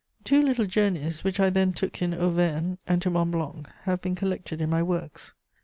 Two little Journeys which I then took in Auvergne and to Mont Blanc have been collected in my works.